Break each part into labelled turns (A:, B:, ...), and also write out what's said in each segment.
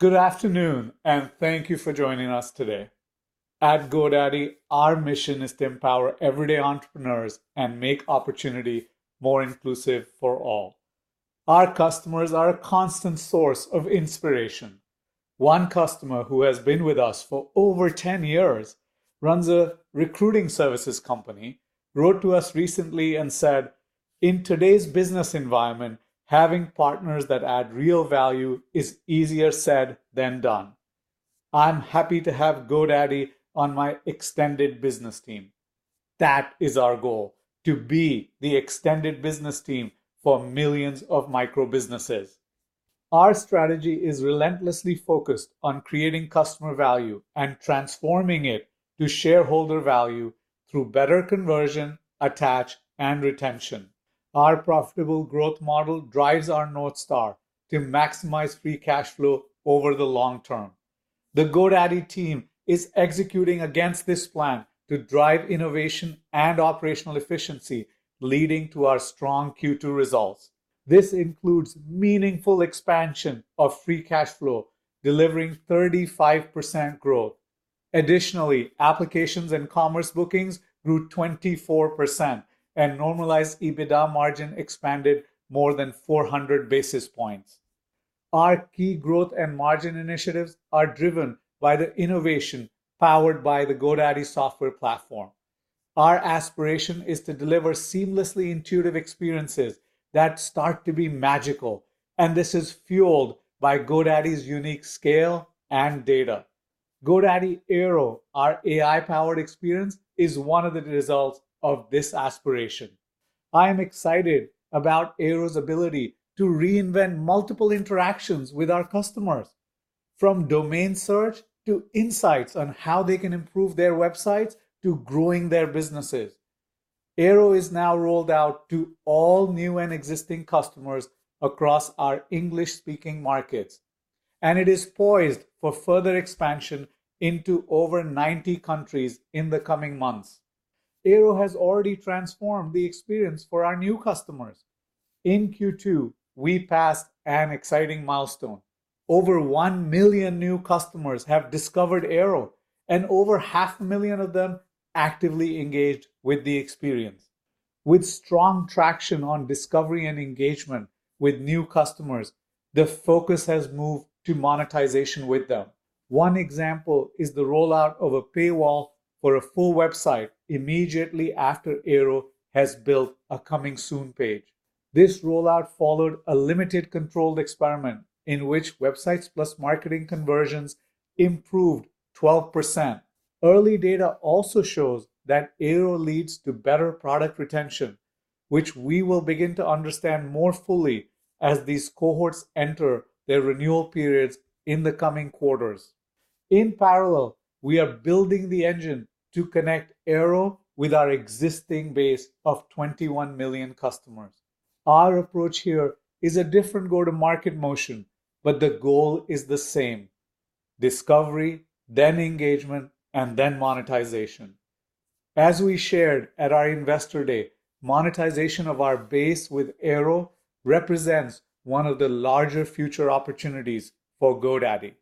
A: Good afternoon, and thank you for joining us today. At GoDaddy, our mission is to empower everyday entrepreneurs and make opportunity more inclusive for all. Our customers are a constant source of inspiration. One customer, who has been with us for over 10 years, runs a recruiting services company, wrote to us recently and said, "In today's business environment, having partners that add real value is easier said than done. I'm happy to have GoDaddy on my extended business team." That is our goal, to be the extended business team for millions of micro businesses. Our strategy is relentlessly focused on creating customer value and transforming it to shareholder value through better conversion, attach, and retention. Our profitable growth model drives our North Star to maximize free cash flow over the long term. The GoDaddy team is executing against this plan to drive innovation and operational efficiency, leading to our strong Q2 results. This includes meaningful expansion of free cash flow, delivering 35% growth. Additionally, applications and commerce bookings grew 24%, and normalized EBITDA margin expanded more than 400 basis points. Our key growth and margin initiatives are driven by the innovation powered by the GoDaddy software platform. Our aspiration is to deliver seamlessly intuitive experiences that start to be magical, and this is fueled by GoDaddy's unique scale and data. GoDaddy Airo, our AI-powered experience, is one of the results of this aspiration. I am excited about Airo's ability to reinvent multiple interactions with our customers, from domain search, to insights on how they can improve their websites, to growing their businesses. Airo is now rolled out to all new and existing customers across our English-speaking markets, and it is poised for further expansion into over 90 countries in the coming months. Airo has already transformed the experience for our new customers. In Q2, we passed an exciting milestone. Over 1 million new customers have discovered Airo, and over a half a million of them actively engaged with the experience. With strong traction on discovery and engagement with new customers, the focus has moved to monetization with them. One example is the rollout of a paywall for a full website immediately after Airo has built a Coming Soon page. This rollout followed a limited controlled experiment in which websites plus marketing conversions improved 12%. Early data also shows that Airo leads to better product retention, which we will begin to understand more fully as these cohorts enter their renewal periods in the coming quarters. In parallel, we are building the engine to connect Airo with our existing base of 21 million customers. Our approach here is a different go-to-market motion, but the goal is the same: discovery, then engagement, and then monetization. As we shared at our Investor Day, monetization of our base with Airo represents one of the larger future opportunities for GoDaddy.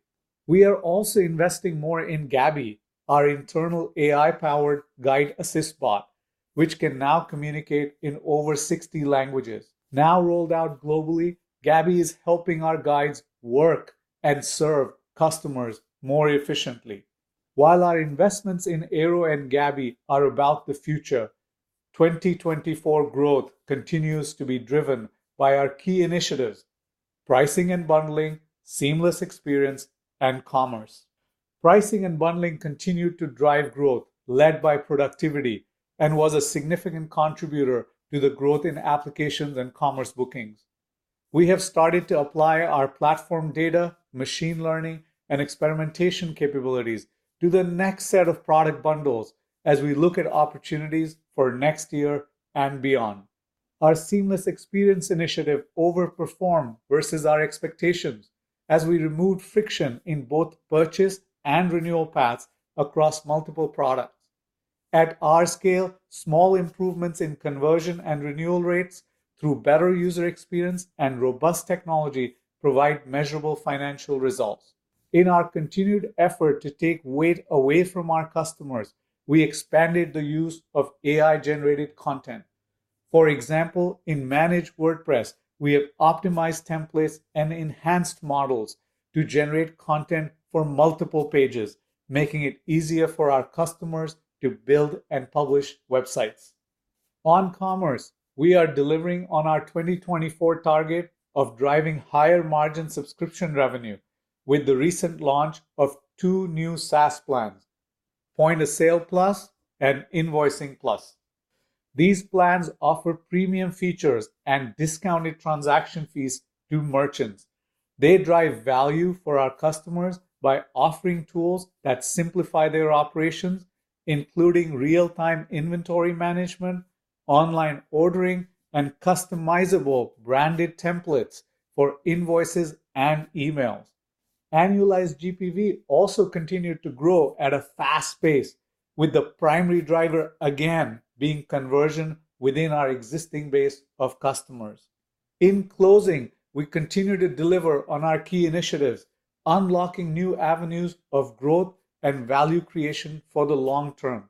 A: We are also investing more in Gabby, our internal AI-powered guide assist bot, which can now communicate in over 60 languages. Now rolled out globally, Gabby is helping our guides work and serve customers more efficiently. While our investments in Airo and Gabby are about the future, 2024 growth continues to be driven by our key initiatives: pricing and bundling, seamless experience, and commerce. Pricing and bundling continued to drive growth, led by productivity, and was a significant contributor to the growth in applications and commerce bookings. We have started to apply our platform data, machine learning, and experimentation capabilities to the next set of product bundles as we look at opportunities for next year and beyond. Our seamless experience initiative overperformed versus our expectations as we removed friction in both purchase and renewal paths across multiple products. At our scale, small improvements in conversion and renewal rates through better user experience and robust technology provide measurable financial results. In our continued effort to take weight away from our customers, we expanded the use of AI-generated content. For example, in Managed WordPress, we have optimized templates and enhanced models to generate content for multiple pages, making it easier for our customers to build and publish websites. On commerce, we are delivering on our 2024 target of driving higher-margin subscription revenue with the recent launch of two new SaaS plans: Point of Sale Plus and Invoicing Plus. These plans offer premium features and discounted transaction fees to merchants. They drive value for our customers by offering tools that simplify their operations, including real-time inventory management, online ordering, and customizable branded templates for invoices and emails. Annualized GPV also continued to grow at a fast pace, with the primary driver again being conversion within our existing base of customers. In closing, we continue to deliver on our key initiatives, unlocking new avenues of growth and value creation for the long term.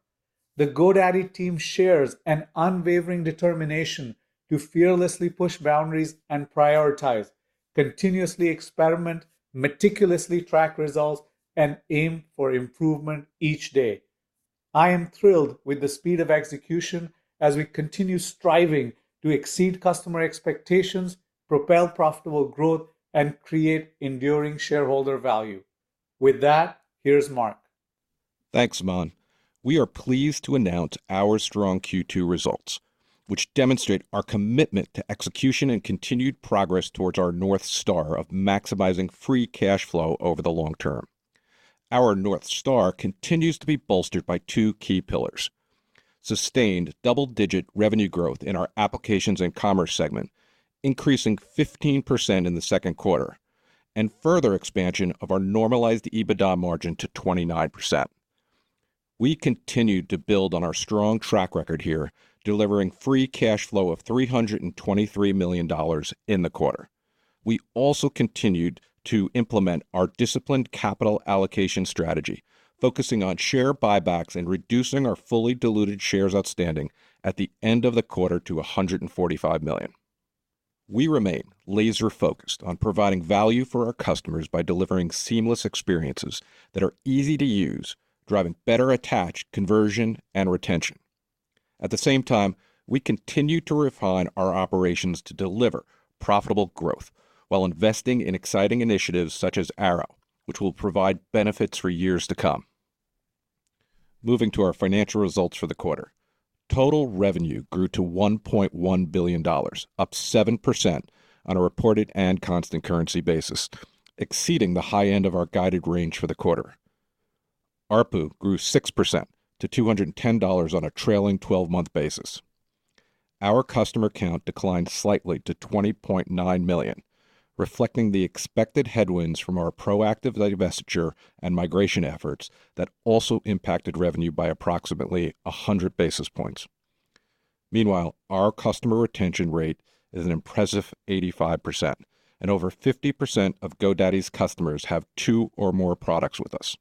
A: The GoDaddy team shares an unwavering determination to fearlessly push boundaries and prioritize, continuously experiment, meticulously track results, and aim for improvement each day. I am thrilled with the speed of execution as we continue striving to exceed customer expectations, propel profitable growth, and create enduring shareholder value. With that, here's Mark.
B: Thanks, Aman. We are pleased to announce our strong Q2 results, which demonstrate our commitment to execution and continued progress towards our North Star of maximizing free cash flow over the long term. Our North Star continues to be bolstered by two key pillars: sustained double-digit revenue growth in our applications and commerce segment, increasing 15% in the Q2, and further expansion of our normalized EBITDA margin to 29%. We continued to build on our strong track record here, delivering free cash flow of $323 million in the quarter. We also continued to implement our disciplined capital allocation strategy, focusing on share buybacks and reducing our fully diluted shares outstanding at the end of the quarter to 145 million. We remain laser-focused on providing value for our customers by delivering seamless experiences that are easy to use, driving better attach, conversion and retention. At the same time, we continue to refine our operations to deliver profitable growth while investing in exciting initiatives such as Airo, which will provide benefits for years to come. Moving to our financial results for the quarter. Total revenue grew to $1.1 billion, up 7% on a reported and constant currency basis, exceeding the high end of our guided range for the quarter. ARPU grew 6% to $210 on a trailing 12-month basis. Our customer count declined slightly to 20.9 million, reflecting the expected headwinds from our proactive divestiture and migration efforts that also impacted revenue by approximately 100 basis points. Meanwhile, our customer retention rate is an impressive 85%, and over 50% of GoDaddy's customers have two or more products with us.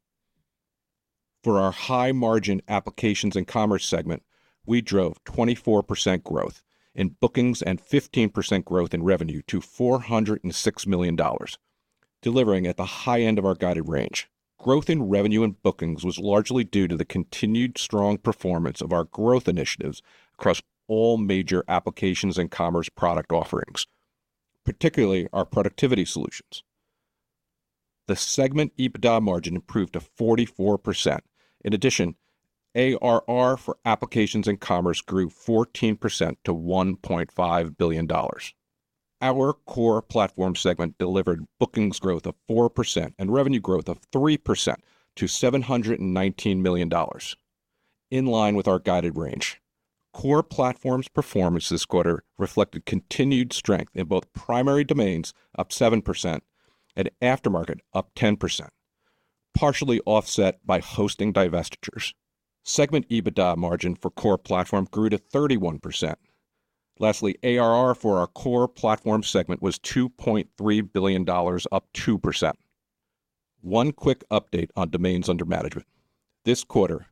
B: For our high-margin applications and commerce segment, we drove 24% growth in bookings and 15% growth in revenue to $406 million, delivering at the high end of our guided range. Growth in revenue and bookings was largely due to the continued strong performance of our growth initiatives across all major applications and commerce product offerings, particularly our productivity solutions. The segment EBITDA margin improved to 44%. In addition, ARR for applications and commerce grew 14% to $1.5 billion. Our core platform segment delivered bookings growth of 4% and revenue growth of 3% to $719 million, in line with our guided range. Core platform's performance this quarter reflected continued strength in both primary domains, up 7%, and aftermarket, up 10%, partially offset by hosting divestitures. Segment EBITDA margin for core platform grew to 31%. Lastly, ARR for our core platform segment was $2.3 billion, up 2%. One quick update on domains under management. This quarter,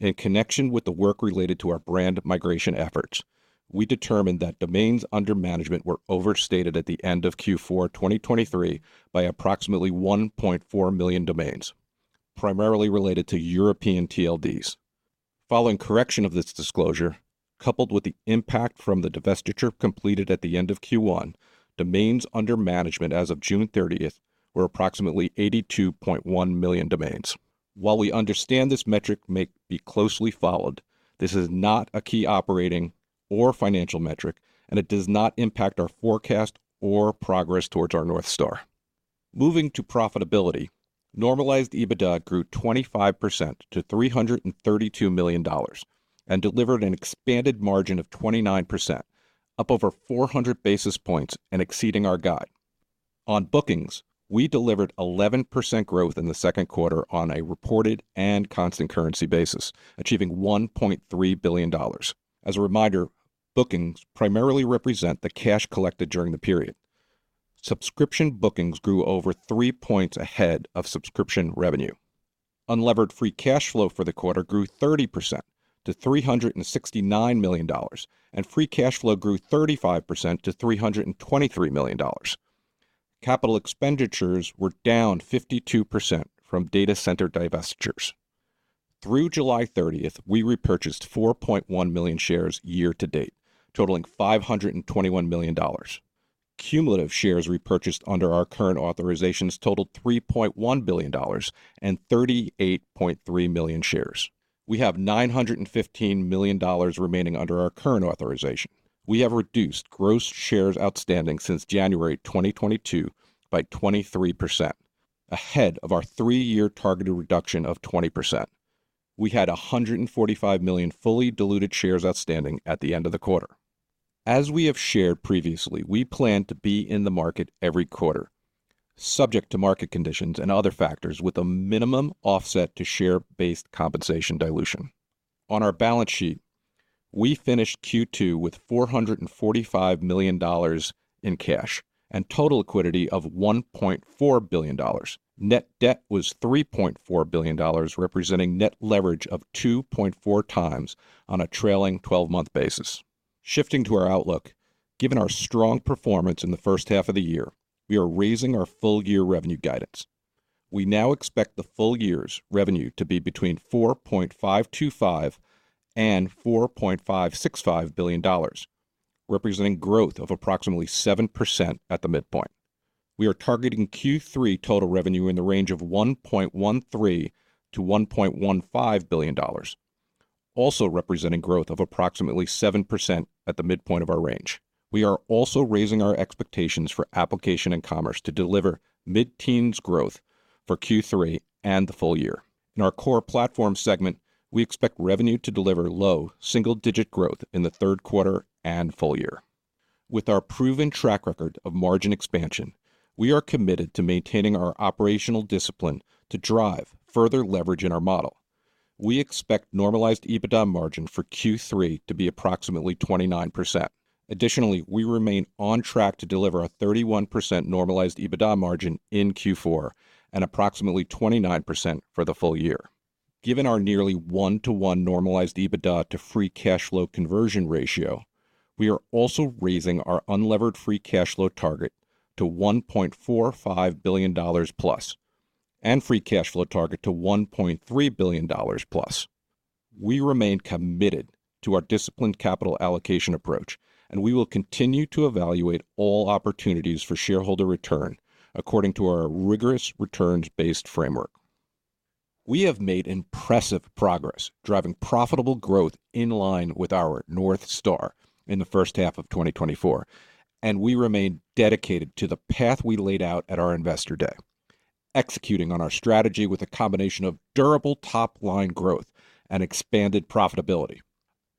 B: in connection with the work related to our brand migration efforts, we determined that domains under management were overstated at the end of Q4 2023 by approximately 1.4 million domains, primarily related to European TLDs. Following correction of this disclosure, coupled with the impact from the divestiture completed at the end of Q1, domains under management as of June 30 were approximately 82.1 million domains. While we understand this metric may be closely followed, this is not a key operating or financial metric, and it does not impact our forecast or progress towards our North Star. Moving to profitability, normalized EBITDA grew 25% to $332 million and delivered an expanded margin of 29%, up over 400 basis points and exceeding our guide. On bookings, we delivered 11% growth in the Q2 on a reported and constant currency basis, achieving $1.3 billion. As a reminder, bookings primarily represent the cash collected during the period. Subscription bookings grew over three points ahead of subscription revenue. Unlevered free cash flow for the quarter grew 30% to $369 million, and free cash flow grew 35% to $323 million. Capital expenditures were down 52% from data center divestitures. Through July 30, we repurchased 4.1 million shares year to date, totaling $521 million. Cumulative shares repurchased under our current authorizations totaled $3.1 billion and 38.3 million shares. We have $915 million remaining under our current authorization. We have reduced gross shares outstanding since January 2022 by 23%, ahead of our three-year targeted reduction of 20%. We had 145 million fully diluted shares outstanding at the end of the quarter. As we have shared previously, we plan to be in the market every quarter, subject to market conditions and other factors, with a minimum offset to share-based compensation dilution. On our balance sheet, we finished Q2 with $445 million in cash and total liquidity of $1.4 billion. Net debt was $3.4 billion, representing net leverage of 2.4x on a trailing twelve-month basis. Shifting to our outlook, given our strong performance in the H1 of the year, we are raising our full-year revenue guidance. We now expect the full year's revenue to be between $4.525 billion and $4.565 billion, representing growth of approximately 7% at the midpoint. We are targeting Q3 total revenue in the range of $1.13 billion-$1.15 billion, also representing growth of approximately 7% at the midpoint of our range. We are also raising our expectations for application and commerce to deliver mid-teens growth for Q3 and the full year. In our core platform segment, we expect revenue to deliver low single-digit growth in the Q3 and full year. With our proven track record of margin expansion, we are committed to maintaining our operational discipline to drive further leverage in our model. We expect normalized EBITDA margin for Q3 to be approximately 29%. Additionally, we remain on track to deliver a 31% normalized EBITDA margin in Q4 and approximately 29% for the full year. Given our nearly one to one normalized EBITDA to free cash flow conversion ratio, we are also raising our unlevered free cash flow target to $1.45+ billion, and free cash flow target to $1.3+ billion. We remain committed to our disciplined capital allocation approach, and we will continue to evaluate all opportunities for shareholder return according to our rigorous returns-based framework. We have made impressive progress driving profitable growth in line with our North Star in the H1 of 2024, and we remain dedicated to the path we laid out at our Investor Day, executing on our strategy with a combination of durable top-line growth and expanded profitability.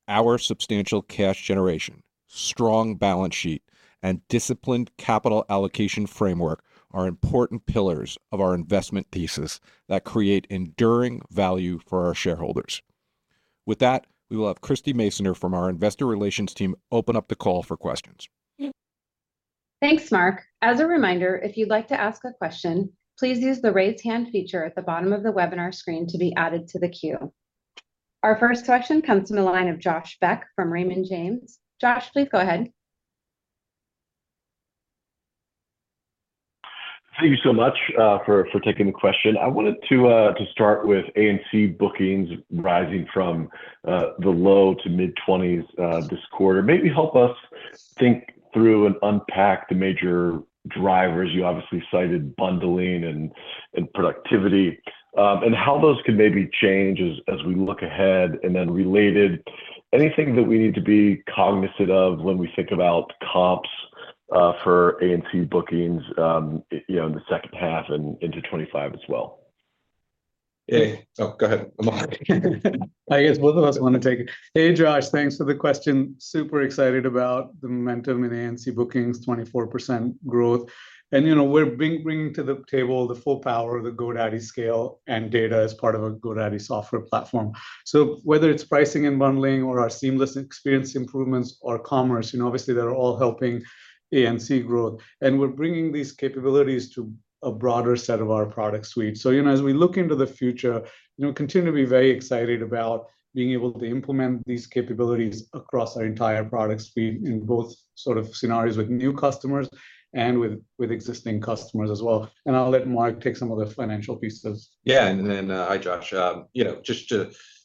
B: Our substantial cash generation, strong balance sheet, and disciplined capital allocation framework are important pillars of our investment thesis that create enduring value for our shareholders. With that, we will have Christie Masoner from our Investor Relations team open up the call for questions.
C: Thanks, Mark. As a reminder, if you'd like to ask a question, please use the Raise Hand feature at the bottom of the webinar screen to be added to the queue. Our first question comes from the line of Josh Beck from Raymond James. Josh, please go ahead.
D: Thank you so much for taking the question. I wanted to start with ANC bookings rising from the low to mid-20s this quarter. Maybe help us think through and unpack the major drivers. You obviously cited bundling and productivity, and how those could maybe change as we look ahead. And then related, anything that we need to be cognizant of when we think about comps for ANC bookings, you know, in the H2 and into 2025 as well?
B: Hey. Oh, go ahead, Aman.
A: I guess both of us want to take it. Hey, Josh, thanks for the question. Super excited about the momentum in ANC bookings, 24% growth. And, you know, we're bringing to the table the full power of the GoDaddy scale and data as part of a GoDaddy software platform. So whether it's pricing and bundling or our seamless experience improvements or commerce, you know, obviously, they're all helping ANC growth, and we're bringing these capabilities to a broader set of our product suite. So, you know, as we look into the future, you know, we continue to be very excited about being able to implement these capabilities across our entire product suite in both sort of scenarios with new customers and with existing customers as well. And I'll let Mark take some of the financial pieces.
B: Hi, Josh. You know,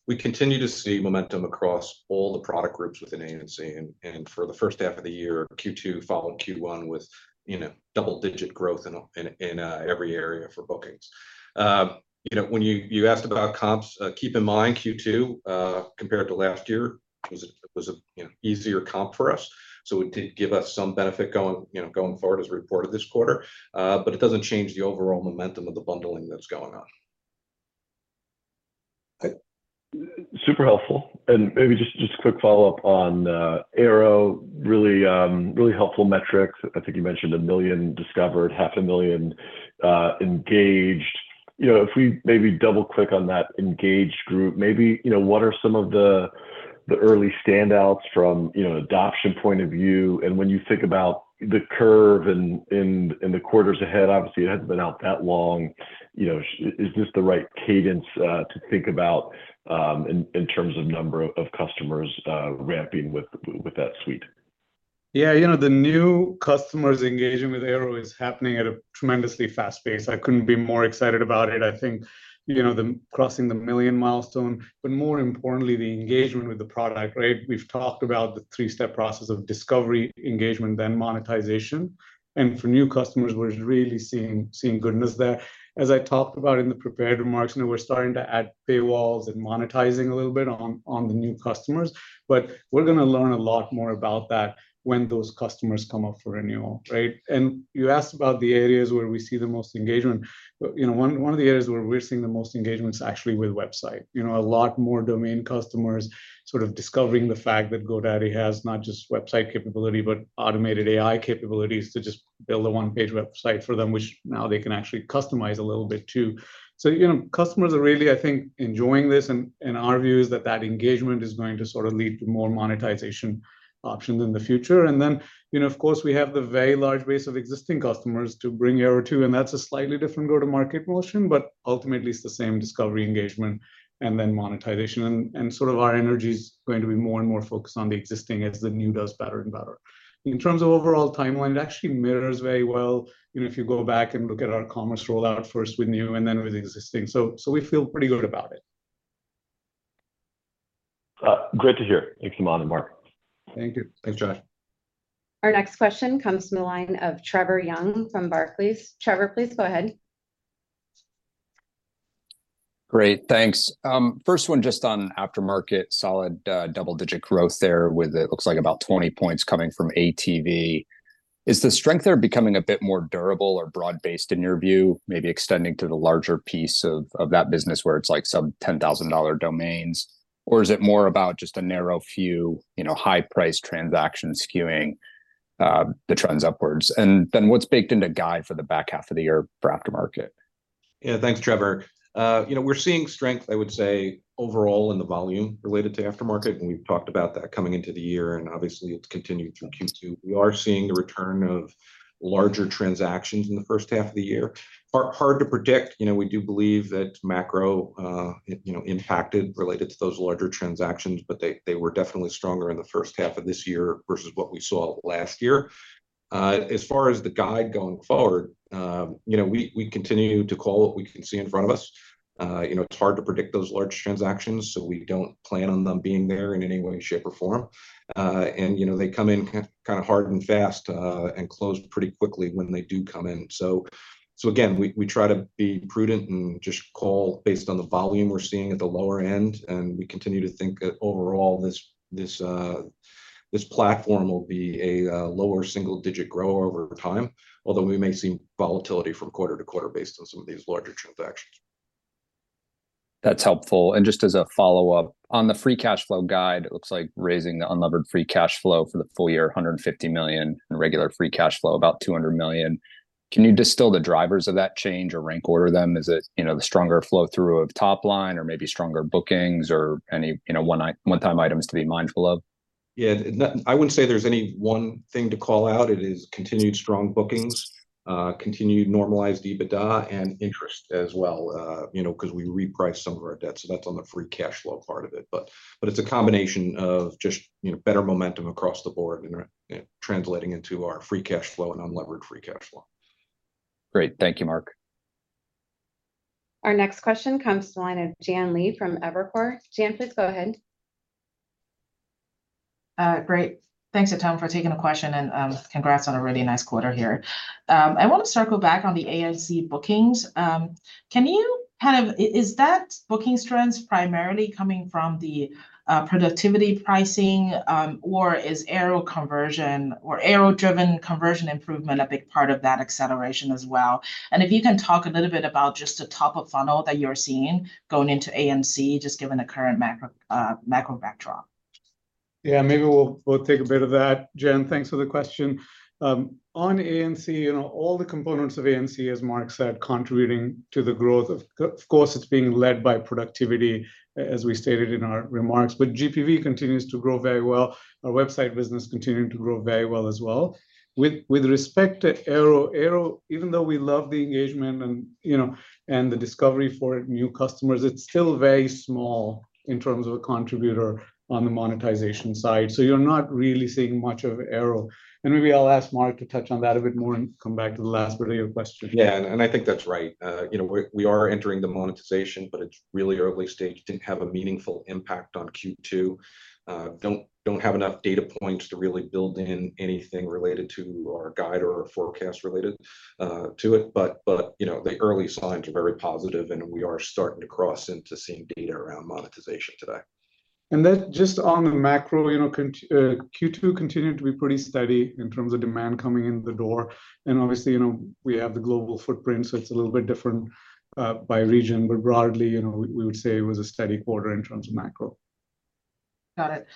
B: we continue to see momentum across all the product groups within ANC, and for the H1 of the year, Q2 followed Q1 with, you know, double-digit growth in every area for bookings. You know, when you asked about comps, keep in mind, Q2 compared to last year was a you know, easier comp for us, so it did give us some benefit going forward as reported this quarter. But it doesn't change the overall momentum of the bundling that's going on.
D: Super helpful. And maybe just, just a quick follow-up on, Airo. Really helpful metrics. I think you mentioned a million discovered, half a million engaged. You know, if we maybe double-click on that engaged group, maybe, you know, what are some of the, the early standouts from, you know, adoption point of view? And when you think about the curve and, and, and the quarters ahead, obviously, it hasn't been out that long, you know, is this the right cadence, to think about, in, in terms of number of customers, ramping with, with that suite?
A: Yeah, you know, the new customers engaging with Airo is happening at a tremendously fast pace. I couldn't be more excited about it. I think, you know, crossing the million milestone, but more importantly, the engagement with the product, right? We've talked about the three-step process of discovery, engagement, then monetization, and for new customers, we're really seeing, seeing goodness there. As I talked about in the prepared remarks, you know, we're starting to add paywalls and monetizing a little bit on, on the new customers, but we're gonna learn a lot more about that when those customers come up for renewal, right? And you asked about the areas where we see the most engagement, but, you know, one, one of the areas where we're seeing the most engagement is actually with website. You know, a lot more domain customers sort of discovering the fact that GoDaddy has not just website capability, but automated AI capabilities to just build a one-page website for them, which now they can actually customize a little bit, too. So, you know, customers are really, I think, enjoying this, and, and our view is that that engagement is going to sort of lead to more monetization options in the future. And then, you know, of course, we have the very large base of existing customers to bring Airo to, and that's a slightly different go-to-market motion, but ultimately it's the same discovery, engagement, and then monetization. And, and sort of our energy's going to be more and more focused on the existing as the new does better and better. In terms of overall timeline, it actually mirrors very well, you know, if you go back and look at our commerce rollout first with new and then with existing. So, so we feel pretty good about it.
E: Great to hear. Thanks, Aman and Mark.
B: Thank you.
A: Thanks, Josh.
C: Our next question comes from the line of Trevor Young from Barclays. Trevor, please go ahead.
D: Great, thanks. First one, just on aftermarket solid, double-digit growth there, with it looks like about 20 points coming from ATV. Is the strength there becoming a bit more durable or broad-based in your view, maybe extending to the larger piece of that business where it's like sub $10,000 domains? Or is it more about just a narrow few, you know, high-priced transactions skewing the trends upwards? And then what's baked into guidance for the back half of the year for aftermarket?
B: Yeah. Thanks, Trevor. You know, we're seeing strength, I would say, overall in the volume related to aftermarket, and we've talked about that coming into the year, and obviously it's continued through Q2. We are seeing the return of larger transactions in the H1 of the year. Hard to predict. You know, we do believe that macro, you know, impacted related to those larger transactions, but they, they were definitely stronger in the H1 of this year versus what we saw last year. As far as the guide going forward, you know, we, we continue to call what we can see in front of us. You know, it's hard to predict those large transactions, so we don't plan on them being there in any way, shape, or form. You know, they come in kind of hard and fast, and close pretty quickly when they do come in. So again, we try to be prudent and just call based on the volume we're seeing at the lower end, and we continue to think that overall this platform will be a lower single-digit grow over time, although we may see volatility from quarter to quarter based on some of these larger transactions.
D: That's helpful, and just as a follow-up, on the free cash flow guide, it looks like raising the unlevered free cash flow for the full year $150 million, and regular free cash flow about $200 million. Can you distill the drivers of that change or rank order them? Is it, you know, the stronger flow through of top line, or maybe stronger bookings, or any, you know, one-time items to be mindful of?
B: Yeah. I wouldn't say there's any one thing to call out. It is continued strong bookings, continued normalized EBITDA and interest as well, you know, 'cause we repriced some of our debt, so that's on the free cash flow part of it. But it's a combination of just, you know, better momentum across the board and translating into our free cash flow and unlevered free cash flow.
D: Great. Thank you, Mark.
C: Our next question comes from the line of Jian Li from Evercore. Jan, please go ahead.
F: Great. Thanks a ton for taking the question, and congrats on a really nice quarter here. I want to circle back on the A&C bookings. Can you kind of is that booking strengths primarily coming from the productivity pricing, or is Airo conversion or Airo-driven conversion improvement a big part of that acceleration as well? And if you can talk a little bit about just the top of funnel that you're seeing going into A&C, just given the current macro macro backdrop.
A: Yeah, maybe we'll take a bit of that, Jian. Thanks for the question. On A&C, you know, all the components of A&C, as Mark said, contributing to the growth. Of course, it's being led by productivity, as we stated in our remarks, but GPV continues to grow very well. Our website business continuing to grow very well as well. With respect to Airo, even though we love the engagement and, you know, and the discovery for new customers, it's still very small in terms of a contributor on the monetization side. So you're not really seeing much of Airo, and maybe I'll ask Mark to touch on that a bit more and come back to the last part of your question.
B: Yeah, and I think that's right. You know, we are entering the monetization, but it's really early stage. Didn't have a meaningful impact on Q2. Don't have enough data points to really build in anything related to our guide or our forecast related to it, but you know, the early signs are very positive, and we are starting to cross into seeing data around monetization today.
A: And then just on the macro, you know, Q2 continued to be pretty steady in terms of demand coming in the door, and obviously, you know, we have the global footprint, so it's a little bit different by region. But broadly, you know, we would say it was a steady quarter in terms of macro.
F: Got it,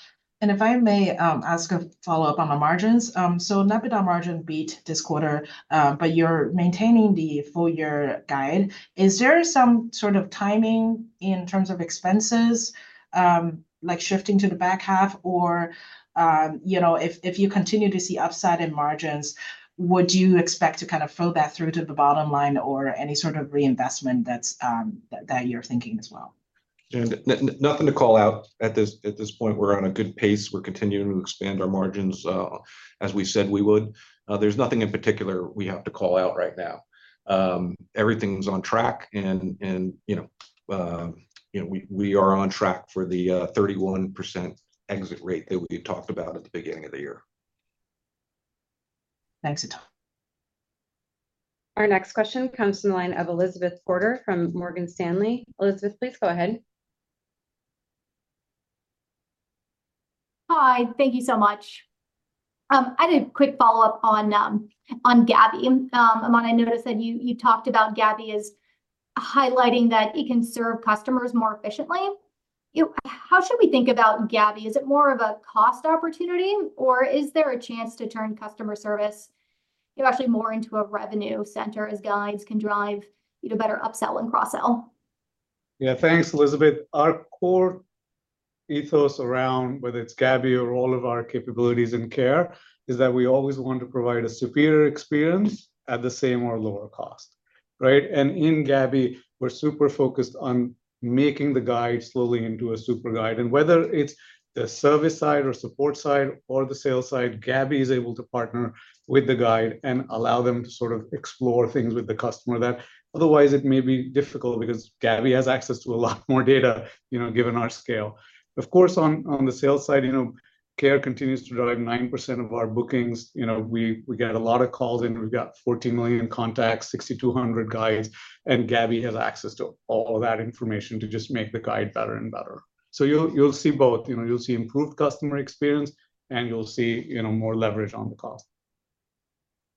F: and if I may, ask a follow-up on the margins. So net EBITDA margin beat this quarter, but you're maintaining the full-year guide. Is there some sort of timing in terms of expenses, like shifting to the back half? Or, you know, if you continue to see upside in margins, would you expect to kind of flow that through to the bottom line or any sort of reinvestment that's that you're thinking as well?
B: Nothing to call out at this, at this point. We're on a good pace. We're continuing to expand our margins, as we said we would. There's nothing in particular we have to call out right now. Everything's on track, and, and, you know, you know, we are on track for the 31% exit rate that we talked about at the beginning of the year.
A: Thanks.
C: Our next question comes from the line of Elizabeth Porter from Morgan Stanley. Elizabeth, please go ahead.
G: Hi, thank you so much. I had a quick follow-up on, on Gabby. Aman, I noticed that you talked about Gabby as highlighting that it can serve customers more efficiently. You know, how should we think about Gabby? Is it more of a cost opportunity, or is there a chance to turn customer service, you know, actually more into a revenue center, as guides can drive, you know, better upsell and cross-sell?
A: Yeah, thanks, Elizabeth. Our core ethos around, whether it's Gabby or all of our capabilities in care, is that we always want to provide a superior experience at the same or lower cost, right? And in Gabby, we're super focused on making the guide slowly into a super guide. And whether it's the service side or support side or the sales side, Gabby is able to partner with the guide and allow them to sort of explore things with the customer that otherwise it may be difficult because Gabby has access to a lot more data, you know, given our scale. Of course, on the sales side, you know, care continues to drive 9% of our bookings. You know, we get a lot of calls in. We've got 14 million contacts, 6,200 guides, and Gabby has access to all that information to just make the guide better and better. So you'll, you'll see both, you know, you'll see improved customer experience, and you'll see, you know, more leverage on the cost.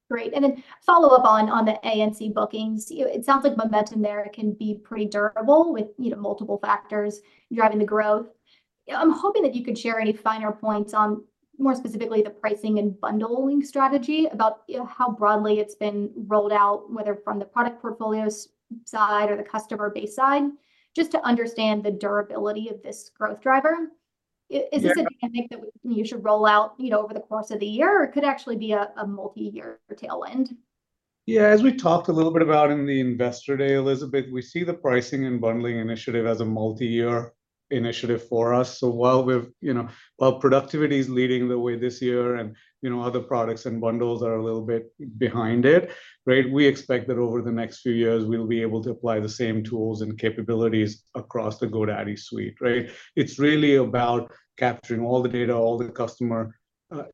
G: Great. And then follow up on the ANC bookings. You know, it sounds like momentum there can be pretty durable with, you know, multiple factors driving the growth. You know, I'm hoping that you could share any finer points on, more specifically, the pricing and bundling strategy, about, you know, how broadly it's been rolled out, whether from the product portfolio side or the customer base side, just to understand the durability of this growth driver. Is this something that you should roll out, you know, over the course of the year, or it could actually be a multi-year tailwind?
A: Yeah, as we talked a little bit about in the Investor Day, Elizabeth, we see the pricing and bundling initiative as a multi-year initiative for us. So while we've, you know, while productivity is leading the way this year and, you know, other products and bundles are a little bit behind it, right, we expect that over the next few years, we'll be able to apply the same tools and capabilities across the GoDaddy suite, right? It's really about capturing all the data, all the customer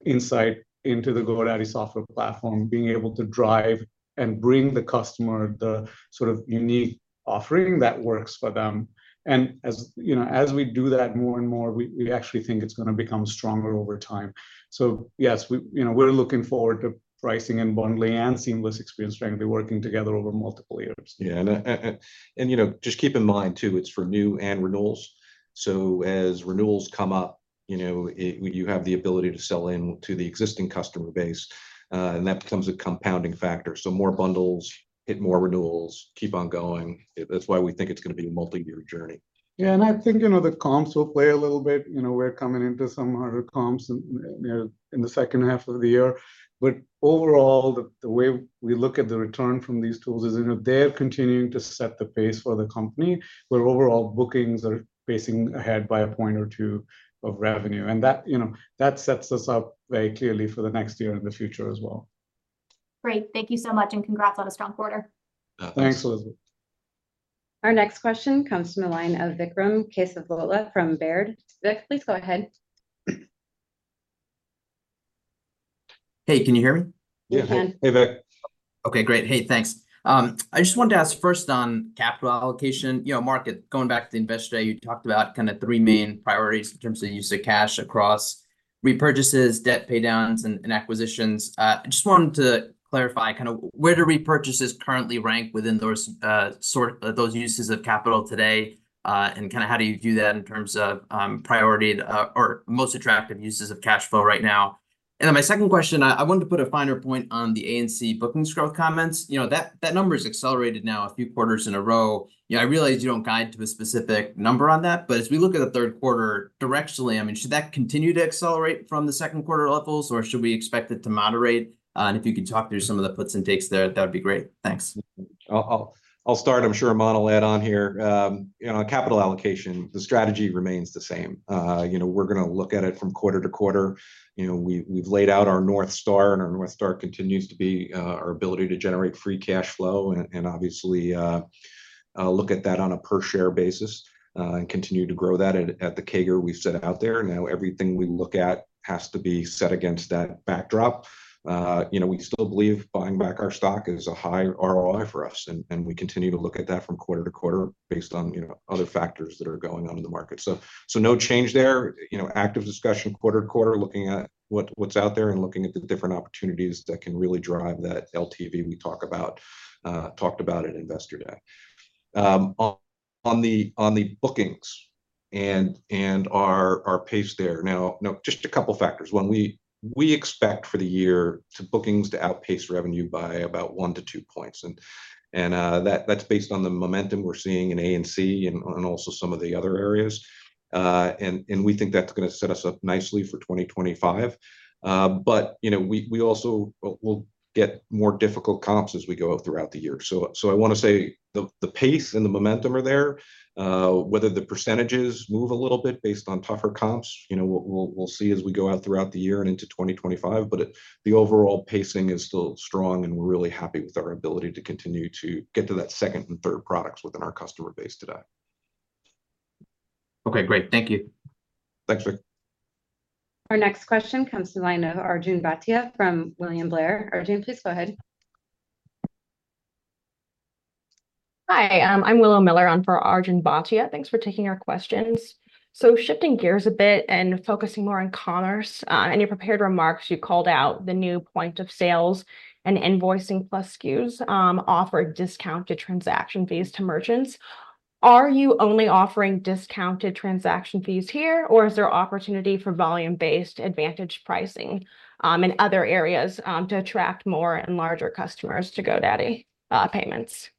A: insight into the GoDaddy software platform, being able to drive and bring the customer the sort of unique offering that works for them. And as, you know, as we do that more and more, we actually think it's gonna become stronger over time. Yes, we, you know, we're looking forward to pricing and bundling and seamless experience trying to be working together over multiple years.
B: Yeah, and you know, just keep in mind, too, it's for new and renewals. So as renewals come up, you know, you have the ability to sell in to the existing customer base, and that becomes a compounding factor. So more bundles hit more renewals, keep on going. That's why we think it's gonna be a multi-year journey.
A: Yeah, and I think, you know, the comps will play a little bit. You know, we're coming into some harder comps in, you know, in the H2 of the year. But overall, the way we look at the return from these tools is, you know, they're continuing to set the pace for the company, where overall bookings are pacing ahead by a point or two of revenue. And that, you know, that sets us up very clearly for the next year and the future as well.
G: Great. Thank you so much, and congrats on a strong quarter.
A: Thanks Elizabeth.
C: Our next question comes from the line of Vikram Kesavabhotla from Baird. Vik, please go ahead.
H: Hey, can you hear me?
B: Yeah.
C: We can.
B: Hey, Vik.
H: Okay, great. Hey, thanks. I just wanted to ask first on capital allocation, you know, Mark, going back to the Investor Day, you talked about kind of three main priorities in terms of the use of cash across repurchases, debt pay downs, and acquisitions. I just wanted to clarify kind of where do repurchases currently rank within those uses of capital today, and kind of how do you do that in terms of priority or most attractive uses of cash flow right now? And then my second question, I wanted to put a finer point on the ANC bookings growth comments. You know, that number has accelerated now a few quarters in a row. You know, I realize you don't guide to a specific number on that, but as we look at the Q3 directionally, I mean, should that continue to accelerate from the Q2 levels, or should we expect it to moderate? And if you could talk through some of the puts and takes there, that would be great. Thanks.
B: I'll start. I'm sure Aman will add on here. You know, on capital allocation, the strategy remains the same. You know, we're gonna look at it from quarter to quarter. You know, we've laid out our North Star, and our North Star continues to be our ability to generate free cash flow and obviously look at that on a per-share basis and continue to grow that at the CAGR we've set out there. Now, everything we look at has to be set against that backdrop. You know, we still believe buying back our stock is a high ROI for us, and we continue to look at that from quarter to quarter based on, you know, other factors that are going on in the market. So no change there. You know, active discussion quarter to quarter, looking at what, what's out there and looking at the different opportunities that can really drive that LTV we talk about, talked about at Investor Day. On the bookings and our pace there, now, you know, just a couple factors. One, we expect for the year bookings to outpace revenue by about one to two points, and that's based on the momentum we're seeing in ANC and also some of the other areas. And we think that's gonna set us up nicely for 2025. But, you know, we also, we'll get more difficult comps as we go throughout the year. So I wanna say the pace and the momentum are there. Whether the percentages move a little bit based on tougher comps, you know, we'll see as we go out throughout the year and into 2025. But the overall pacing is still strong, and we're really happy with our ability to continue to get to that second and third products within our customer base today.
H: Okay, great. Thank you.
B: Thanks, Vik.
C: Our next question comes to the line of Arjun Bhatia from William Blair. Arjun, please go ahead.
I: Hi, I'm Willow Miller in for Arjun Bhatia. Thanks for taking our questions. So shifting gears a bit and focusing more on commerce, in your prepared remarks, you called out the new Point of Sale Plus and Invoicing Plus SKUs, offer discounted transaction fees to merchants. Are you only offering discounted transaction fees here, or is there opportunity for volume-based advantage pricing, in other areas, to attract more and larger customers to GoDaddy Payments?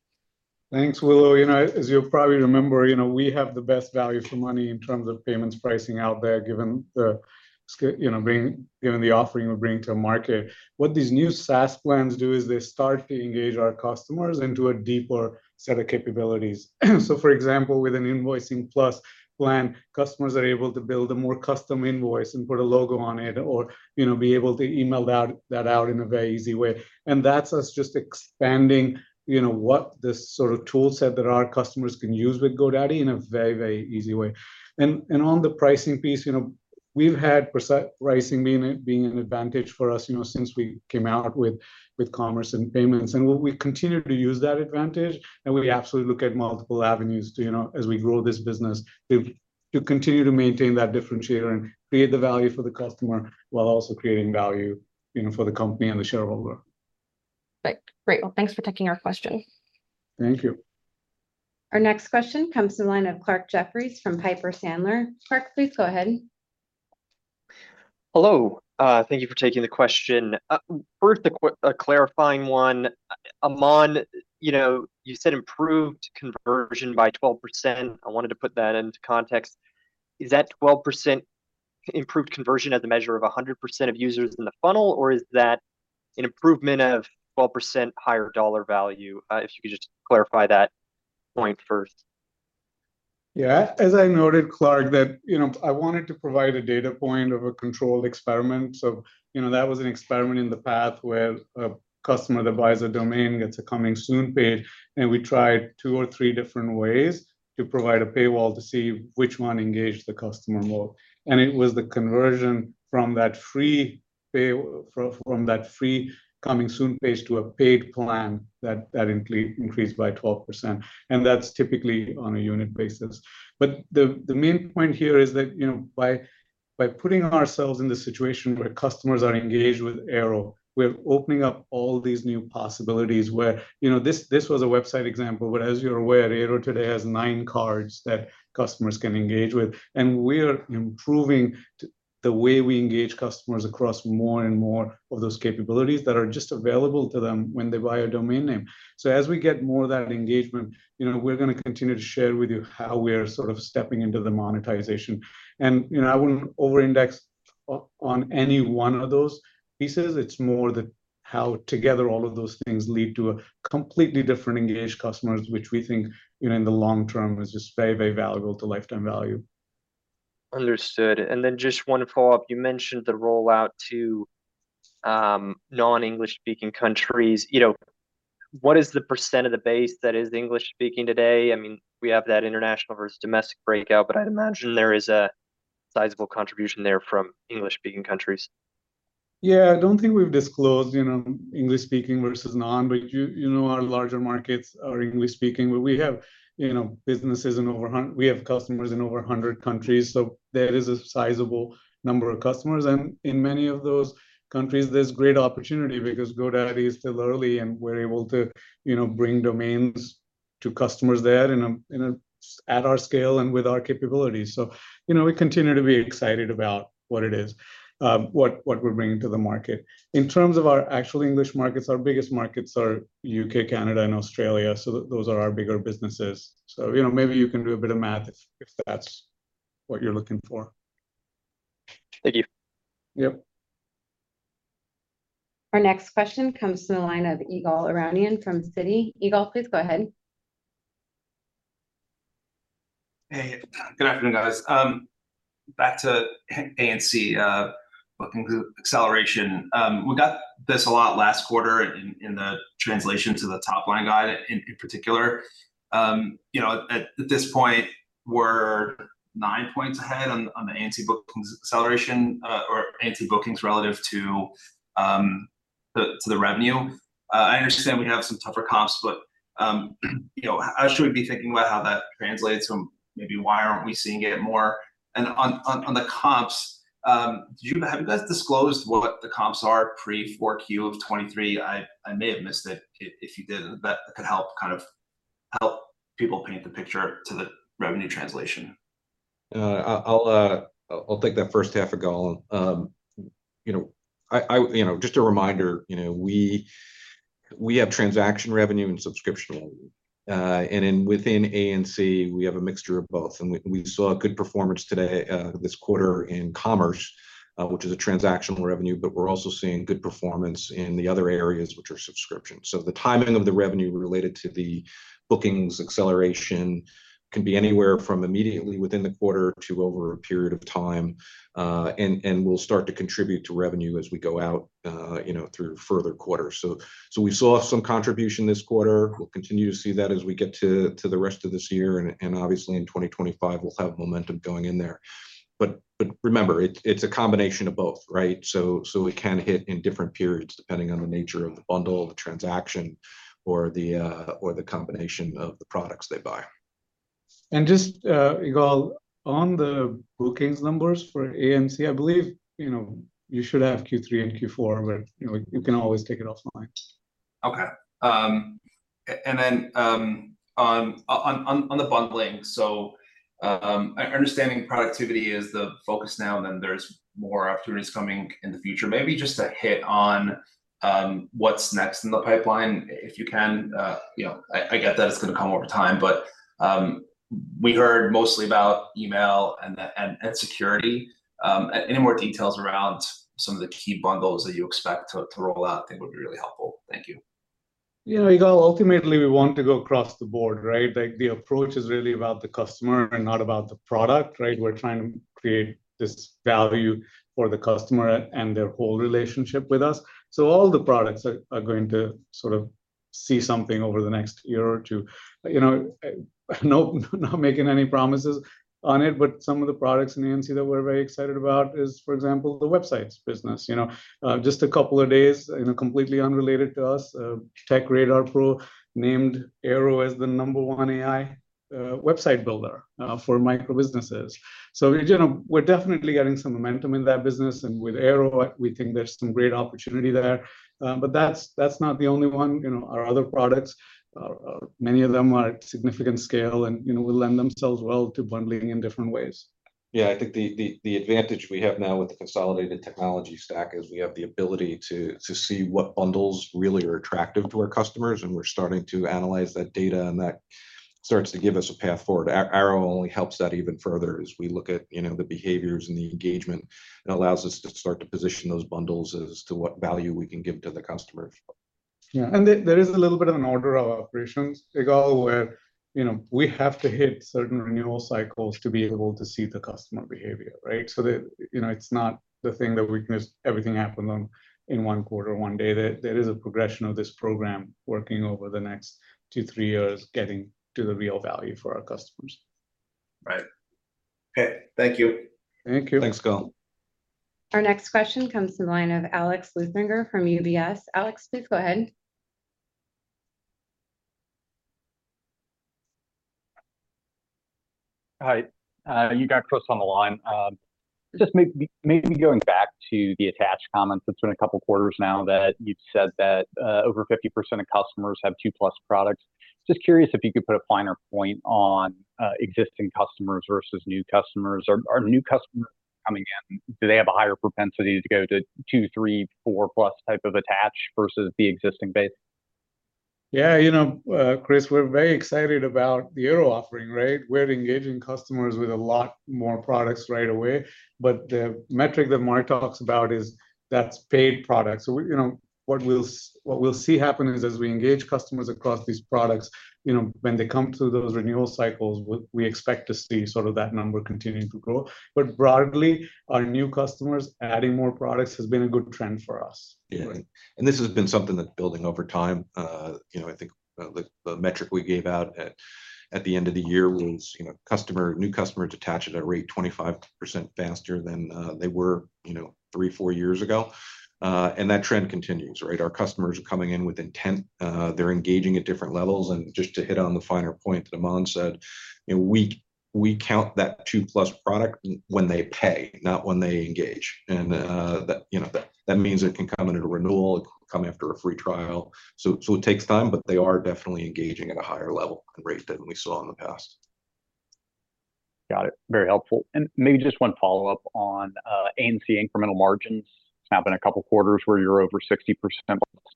A: Thanks, Willow. You know, as you'll probably remember, you know, we have the best value for money in terms of payments pricing out there, given the you know, given the offering we're bringing to market. What these new SaaS plans do is they start to engage our customers into a deeper set of capabilities. So for example, with an Invoicing Plus plan, customers are able to build a more custom invoice and put a logo on it or, you know, be able to email that out in a very easy way, and that's us just expanding, you know, what this sort of tool set that our customers can use with GoDaddy in a very, very easy way. On the pricing piece, you know, we've had pricing being an advantage for us, you know, since we came out with commerce and payments, and we've continued to use that advantage, and we absolutely look at multiple avenues to, you know, as we grow this business, to continue to maintain that differentiator and create the value for the customer, while also creating value, you know, for the company and the shareholder.
I: Great. Well, thanks for taking our question.
A: Thank you.
C: Our next question comes to the line of Clark Jeffries from Piper Sandler. Clark, please go ahead. Hello. Thank you for taking the question. First, a clarifying one. Aman, you know, you said improved conversion by 12%. I wanted to put that into context. Is that 12% improved conversion as a measure of 100% of users in the funnel, or is that an improvement of 12% higher dollar value? If you could just clarify that point first.
A: Yeah, as I noted, Clark, you know, I wanted to provide a data point of a controlled experiment. So, you know, that was an experiment in the path where a customer that buys a domain gets a coming soon page, and we tried two or three different ways to provide a paywall to see which one engaged the customer more. And it was the conversion from that free page to a paid plan that increased by 12%, and that's typically on a unit basis. But the main point here is that, you know, by putting ourselves in the situation where customers are engaged with Airo, we're opening up all these new possibilities where... You know, this, this was a website example, but as you're aware, Airo today has nine cards that customers can engage with, and we're improving the way we engage customers across more and more of those capabilities that are just available to them when they buy a domain name. So as we get more of that engagement, you know, we're gonna continue to share with you how we're sort of stepping into the monetization. And, you know, I wouldn't over-index on any one of those pieces. It's more that how together all of those things lead to a completely different engaged customers, which we think, you know, in the long term, is just very, very valuable to lifetime value.
J: Understood. And then just one follow-up. You mentioned the rollout to, non-English-speaking countries. You know, what is the percent of the base that is English-speaking today? I mean, we have that international versus domestic breakout, but I'd imagine there is a sizable contribution there from English-speaking countries.
A: Yeah, I don't think we've disclosed, you know, English-speaking versus non, but you, you know, our larger markets are English-speaking, but we have, you know, businesses in over 100 countries, so there is a sizable number of customers, and in many of those countries, there's great opportunity because GoDaddy is still early, and we're able to, you know, bring domains to customers there in a, in a, at our scale and with our capabilities. So, you know, we continue to be excited about what it is, what, what we're bringing to the market. In terms of our actual English markets, our biggest markets are UK, Canada, and Australia, so those are our bigger businesses. So, you know, maybe you can do a bit of math if, if that's what you're looking for.
J: Thank you.
A: Yep.
C: Our next question comes to the line of Ygal Arounian from Citi. Ygal, please go ahead.
K: Hey, good afternoon, guys. Back to ANC bookings acceleration. We got this a lot last quarter in the translation to the top line guide in particular. You know, at this point, we're 9 points ahead on the ANC bookings acceleration or ANC bookings relative to the revenue. I understand we have some tougher comps, but you know, how should we be thinking about how that translates, and maybe why aren't we seeing it more? And on the comps, have you guys disclosed what the comps are prior for Q of 2023? I may have missed it. If you did, that could help kind of help people paint the picture to the revenue translation.
B: I'll take that H1, Ygal. You know, just a reminder, you know, we, we have transaction revenue and subscription revenue, and within ANC, we have a mixture of both, and we, we saw a good performance today, this quarter in commerce, which is a transactional revenue, but we're also seeing good performance in the other areas, which are subscription. So the timing of the revenue related to the bookings acceleration can be anywhere from immediately within the quarter to over a period of time, and will start to contribute to revenue as we go out, you know, through further quarters. So we saw some contribution this quarter. We'll continue to see that as we get to the rest of this year, and obviously, in 2025, we'll have momentum going in there. But remember, it's a combination of both, right? So, we can hit in different periods, depending on the nature of the bundle, the transaction, or the combination of the products they buy.
A: Just, Ygal, on the bookings numbers for ANC, I believe, you know, you can always take it offline.
K: Okay. And then, on the bundling, understanding productivity is the focus now, and then there's more opportunities coming in the future. Maybe just a hit on, what's next in the pipeline, if you can. You know, I get that it's gonna come over time, but, we heard mostly about email and security. Any more details around some of the key bundles that you expect to roll out, I think would be really helpful. Thank you.
A: You know, you all, ultimately, we want to go across the board, right? Like, the approach is really about the customer and not about the product, right? We're trying to create this value for the customer and their whole relationship with us, so all the products are going to sort of see something over the next year or two. You know, nope, not making any promises on it, but some of the products in ANC that we're very excited about is, for example, the websites business, you know? Just a couple of days, you know, completely unrelated to us, TechRadar Pro named Airo as the number one AI website builder for micro businesses. So, you know, we're definitely getting some momentum in that business, and with Airo, we think there's some great opportunity there. But that's not the only one. You know, our other products, many of them are at significant scale, and, you know, will lend themselves well to bundling in different ways.
B: Yeah, I think the advantage we have now with the consolidated technology stack is we have the ability to see what bundles really are attractive to our customers, and we're starting to analyze that data, and that starts to give us a path forward. Airo only helps that even further as we look at, you know, the behaviors and the engagement. It allows us to start to position those bundles as to what value we can give to the customer.
A: Yeah, and there is a little bit of an order of operations. They go where, you know, we have to hit certain renewal cycles to be able to see the customer behavior, right? So that, you know, it's not the thing that we can just everything happen on in one quarter, one day. There is a progression of this program working over the next two, three years, getting to the real value for our customers.
L: Right. Okay, thank you.
A: Thank you.
B: Thanks, Ygal.
C: Our next question comes to the line of Alex Luthinger from UBS. Alex, please go ahead.
M: Hi, you got Chris on the line. Just maybe going back to the attached comments, it's been a couple quarters now that you've said that, over 50% of customers have two-plus products. Just curious if you could put a finer point on, existing customers versus new customers. Are new customers coming in, do they have a higher propensity to go to two, three, fourplus type of attach versus the existing base?
A: Yeah, you know, Chris, we're very excited about the Airo offering, right? We're engaging customers with a lot more products right away, but the metric that Mark talks about is that's paid product. So we, you know, what we'll see happen is as we engage customers across these products, you know, when they come to those renewal cycles, we expect to see sort of that number continuing to grow. But broadly, our new customers adding more products has been a good trend for us.
B: Yeah, and this has been something that's building over time. You know, I think the metric we gave out at the end of the year was, you know, customer new customer detach at a rate 25% faster than they were, you know, three, four years ago. And that trend continues, right? Our customers are coming in with intent. They're engaging at different levels, and just to hit on the finer point that Aman said, you know, we count that two-plus product when they pay, not when they engage. And that, you know, that means it can come in at a renewal, it come after a free trial. So it takes time, but they are definitely engaging at a higher level and rate than we saw in the past.
M: Got it. Very helpful. Maybe just one follow-up on ANC incremental margins. It's now been a couple quarters where you're over 60%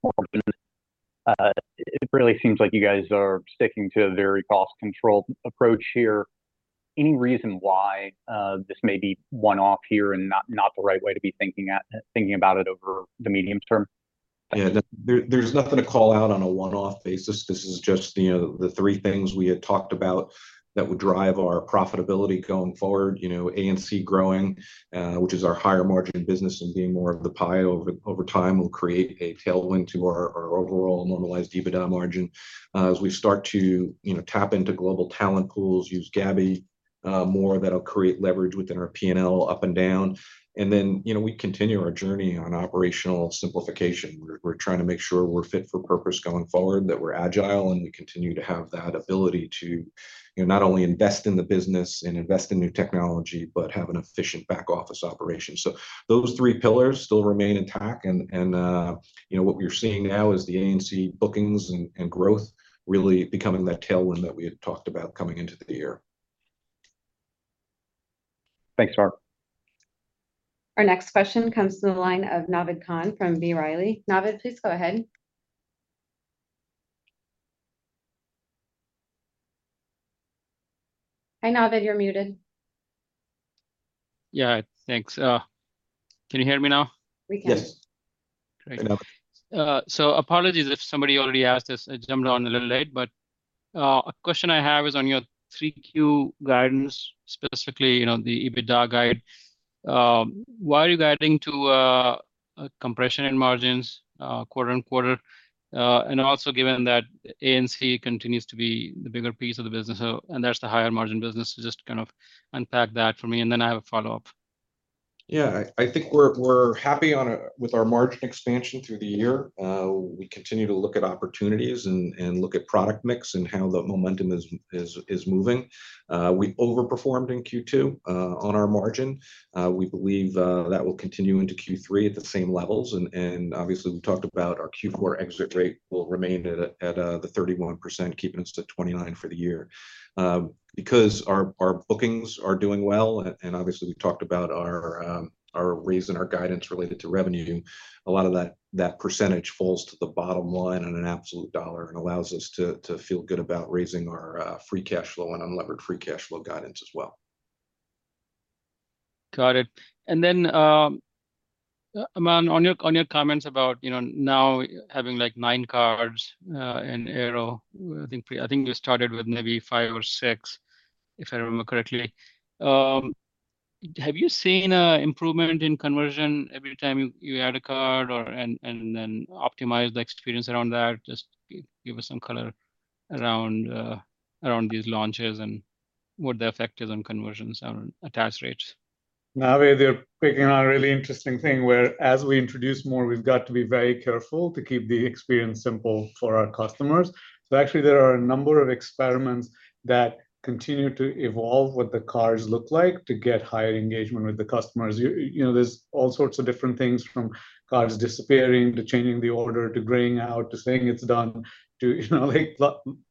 M: margins. It really seems like you guys are sticking to a very cost-controlled approach here. Any reason why this may be one-off here and not the right way to be thinking about it over the medium term?
B: Yeah, there's nothing to call out on a one-off basis. This is just, you know, the three things we had talked about that would drive our profitability going forward. You know, ANC growing, which is our higher margin business and being more of the pie over time, will create a tailwind to our overall normalized EBITDA margin. As we start to, you know, tap into global talent pools, use Gabby more, that'll create leverage within our PNL up and down. And then, you know, we continue our journey on operational simplification. We're trying to make sure we're fit for purpose going forward, that we're agile, and we continue to have that ability to, you know, not only invest in the business and invest in new technology, but have an efficient back office operation. So those three pillars still remain intact, and you know, what we're seeing now is the ANC bookings and growth really becoming that tailwind that we had talked about coming into the year.
M: Thanks, Mark.
C: Our next question comes to the line of Naved Khan from B. Riley. Naved, please go ahead. Hi, Navid, you're muted.
N: Yeah, thanks. Can you hear me now?
C: We can.
B: Yes.
A: Yes.
N: Great. So apologies if somebody already asked this. I jumped on a little late, but, a question I have is on your 3Q guidance, specifically, you know, the EBITDA guide. Why are you guiding to compression in margins, quarter-over-quarter? And also given that ANC continues to be the bigger piece of the business, and that's the higher margin business, so just kind of unpack that for me, and then I have a follow-up.
B: Yeah. I think we're happy with our margin expansion through the year. We continue to look at opportunities and look at product mix, and how the momentum is moving. We overperformed in Q2 on our margin. We believe that will continue into Q3 at the same levels, and obviously we talked about our Q4 exit rate will remain at the 31%, keeping us to 29% for the year. Because our bookings are doing well, and obviously we talked about our guidance related to revenue, a lot of that percentage falls to the bottom line in an absolute dollar, and allows us to feel good about raising our free cash flow and unlevered free cash flow guidance as well.
N: Got it. And then, Aman, on your, on your comments about, you know, now having, like, 9 cards in Airo. I think I think you started with maybe five or six, if I remember correctly. Have you seen an improvement in conversion every time you, you add a card or, and then optimize the experience around that? Just give us some color around, around these launches, and what the effect is on conversions and attach rates.
A: Naved, they're picking on a really interesting thing, where as we introduce more, we've got to be very careful to keep the experience simple for our customers. So actually, there are a number of experiments that continue to evolve what the cards look like to get higher engagement with the customers. You know, there's all sorts of different things, from cards disappearing, to changing the order, to graying out, to saying it's done, to you know, like,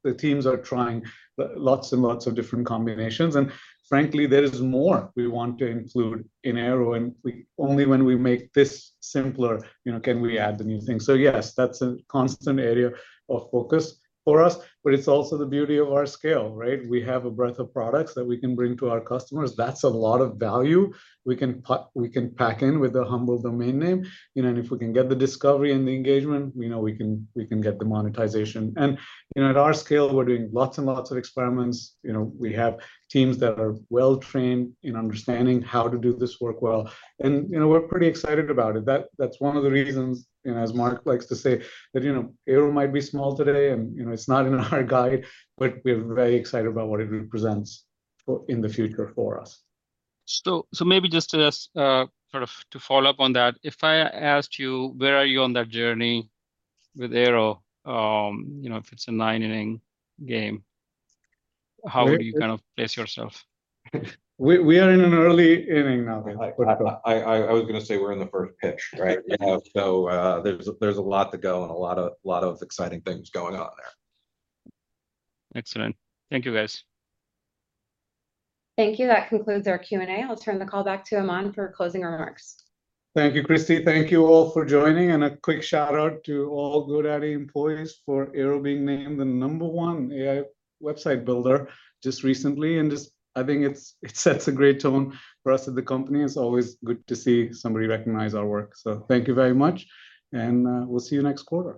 A: the teams are trying lots and lots of different combinations, and frankly, there is more we want to include in Airo, and we only when we make this simpler, you know, can we add the new things. So yes, that's a constant area of focus for us, but it's also the beauty of our scale, right? We have a breadth of products that we can bring to our customers. That's a lot of value we can pack in with a humble domain name, you know, and if we can get the discovery and the engagement, we know we can get the monetization. You know, at our scale, we're doing lots and lots of experiments. You know, we have teams that are well-trained in understanding how to do this work well and, you know, we're pretty excited about it. That's one of the reasons, you know, as Mark likes to say, that, you know, Airo might be small today and, you know, it's not in our guidance, but we're very excited about what it represents in the future for us.
N: So, maybe just to sort of follow up on that, if I asked you where are you on that journey with Airo, you know, if it's a nine-inning game, how would you kind of place yourself?
A: We are in an early inning now.
B: I was gonna say we're in the first pitch, right? So, there's a lot to go and a lot of exciting things going on there.
N: Excellent. Thank you, guys.
C: Thank you. That concludes our Q&A. I'll turn the call back to Aman for closing remarks.
A: Thank you, Christie. Thank you all for joining, and a quick shout-out to all GoDaddy employees for Airo being named the number one AI website builder just recently, and just I think it sets a great tone for us as a company. It's always good to see somebody recognize our work. So thank you very much, and, we'll see you next quarter.